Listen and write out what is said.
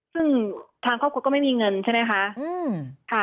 ซึ่งทางครอบครัวก็ไม่มีเงินใช่ไหมคะ